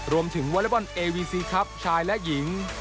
รวมถึงวอร่อยบอลเอวีซีครับชายและหญิง